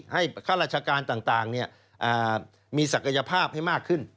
ข้าราชการต่างมีศักยภาพให้มากขึ้น